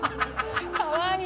かわいい。